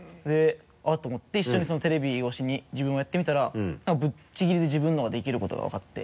「あっ」と思って一緒にそのテレビ越しに自分もやってみたら何かぶっちぎりで自分の方ができることが分かって。